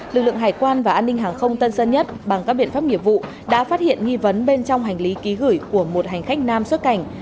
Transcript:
lực lượng hải quan và an ninh hàng không tân sơn nhất bằng các biện pháp nghiệp vụ đã phát hiện nghi vấn bên trong hành lý ký gửi của một hành khách nam xuất cảnh